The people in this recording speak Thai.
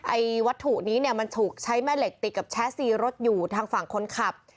ไอ้วัตถุนี้เนี่ยมันถูกใช้แม่เหล็กติดกับแชร์ซีรถอยู่ทางฝั่งคนขับ